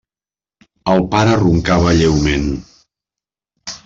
El pare roncava lleument.